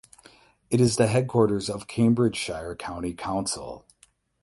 It is the headquarters of Cambridgeshire County Council.